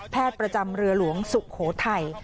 แพทย์ประจำเรือหลวงศุโขทัย